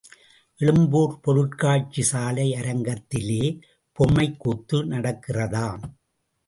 எழும்பூர் பொருட்காட்சி சாலை அரங்கத்திலே பொம்மைக்கூத்து நடக்கிறதாம்.